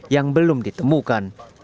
yang belum ditemukan